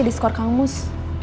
diskor kang mus